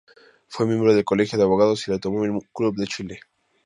Fue miembro del Colegio de Abogados y del Automóvil Club de Chile.